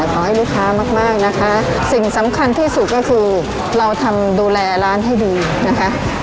ขอให้ลูกค้ามากมากนะคะสิ่งสำคัญที่สุดก็คือเราทำดูแลร้านให้ดีนะคะ